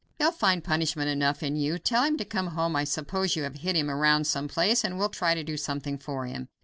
He'll find punishment enough in you. Tell him to come home I suppose you have him hid around some place and we'll try to do something for him."